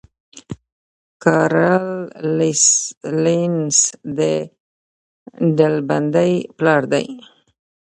کارل لینس د ډلبندۍ پلار دی